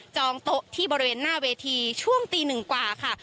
องโต๊ะที่บริเวณหน้าเวทีช่วงตีหนึ่งกว่าค่ะ